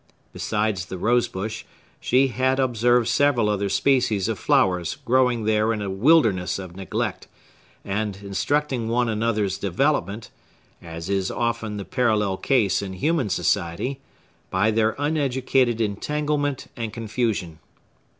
Besides the rosebush, she had observed several other species of flowers growing there in a wilderness of neglect, and obstructing one another's development (as is often the parallel case in human society) by their uneducated entanglement and confusion.